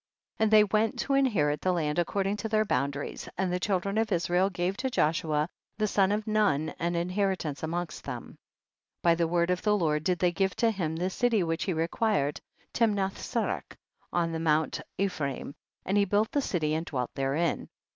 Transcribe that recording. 21. And they went to inherit the land according to their boundaries, and the children of Israel gave to Joshua the son of Nun an inheritance amongst them. 22. By the word of the Lord did they give to him the city which he required, Timnath serach in mount THE BOOK OF JASHER. 265 Ephraim, and he built the city and dwelt therein.